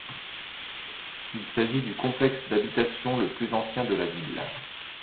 Il s'agit du complexe d'habitation le plus ancien de la ville.